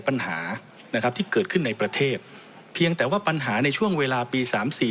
ปัญหานะครับที่เกิดขึ้นในประเทศเพียงแต่ว่าปัญหาในช่วงเวลาปีสามสี่